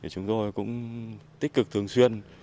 chúng tôi cũng tích cực thường xuyên